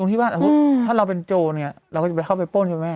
ที่ว่าสมมุติถ้าเราเป็นโจรเนี่ยเราก็จะไปเข้าไปป้นใช่ไหม